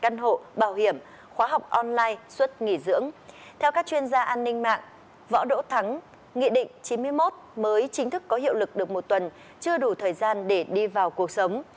nghị định chín mươi một mới chính thức có hiệu lực được một tuần chưa đủ thời gian để đi vào cuộc sống